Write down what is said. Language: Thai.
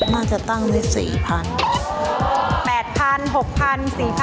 น่าจะตั้งที่๔๐๐๐